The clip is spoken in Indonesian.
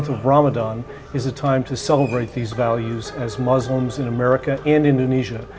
tahun ramadhan adalah waktu untuk mengucapkan nilai ini sebagai muslim di amerika dan indonesia